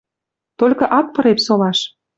Толькы ак пыреп солаш —